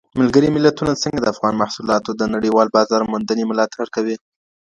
ملګري ملتونه څنګه د افغان محصولاتو د نړیوال بازار موندنې ملاتړ کوي؟